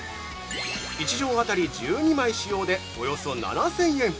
１畳当たり１２枚使用でおよそ７０００円！